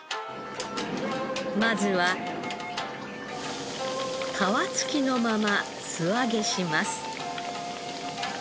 まずは皮付きのまま素揚げします。